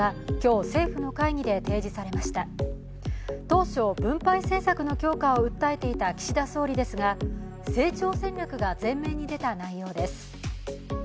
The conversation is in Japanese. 当初、分配政策の強化を訴えていた岸田総理ですが成長戦略が前面に出た内容です。